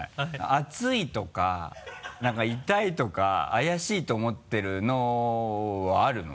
熱いとかなんか痛いとか怪しいと思ってるのはあるの？